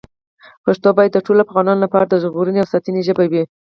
پښتو باید د ټولو افغانانو لپاره د ژغورنې او ساتنې ژبه وي.